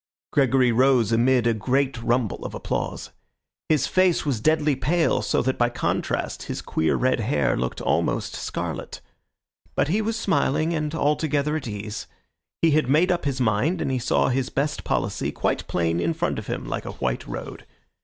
Gregory rose amid a great rumble of applause. His face was deadly pale, so that by contrast his queer red hair looked almost scarlet. But he was smiling and altogether at ease. He had made up his mind, and he saw his best policy quite plain in front of him like a white road.